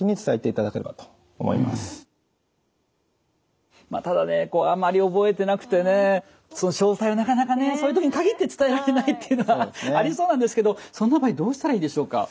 ただねあまり覚えてなくてね詳細をなかなかそういう時に限って伝えられないっていうのがありそうなんですけどそんな場合どうしたらいいでしょうか？